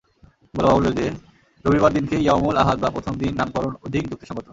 বলা বাহুল্য যে, রবিবার দিনকে ইয়াওমুল আহাদ বা প্রথম দিন নামকরণ অধিক যুক্তিসঙ্গত।